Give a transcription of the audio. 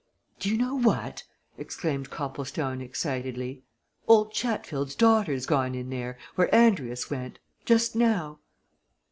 "Do you know what?" exclaimed Copplestone, excitedly. "Old Chatfield's daughter's gone in there, where Andrius went. Just now!"